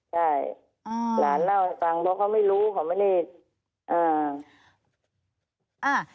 ใช่หลานเล่าให้ฟังเพราะเขาไม่รู้เขาไม่ได้อ่า